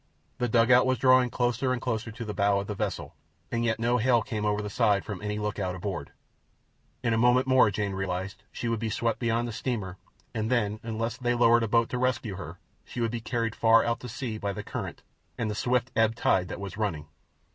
The dugout was drawing closer and closer to the bow of the vessel, and yet no hail came over the side from any lookout aboard. In a moment more, Jane realized, she would be swept beyond the steamer, and then, unless they lowered a boat to rescue her, she would be carried far out to sea by the current and the swift ebb tide that was running.